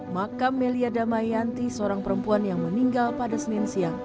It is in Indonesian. makam melia damayanti seorang perempuan yang meninggal pada senin siang